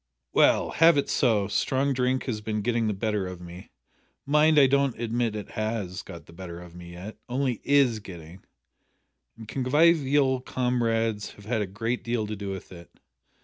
"Well have it so. Strong drink has been getting the better of me mind I don't admit it has got the better of me yet only is getting and convivial comrades have had a great deal to do with it.